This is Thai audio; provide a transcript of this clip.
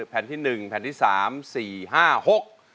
แผ่นที่หนึ่งแผ่นที่สามสี่ห้าหก